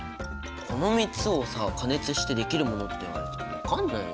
この３つをさ加熱してできるものって言われても分かんないよ。